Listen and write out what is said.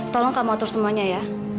tolong kamu atur semuanya ya